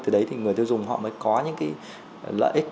từ đấy thì người tiêu dùng họ mới có những cái lợi ích